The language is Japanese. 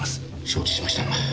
承知しました。